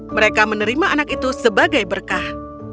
mereka menerima anak itu sebagai berkah